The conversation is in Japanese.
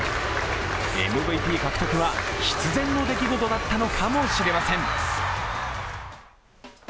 ＭＶＰ獲得は必然の出来事だったのかもしれません。